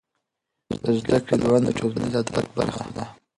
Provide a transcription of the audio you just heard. د زده کړې دوام د ټولنیز عدالت برخه ده.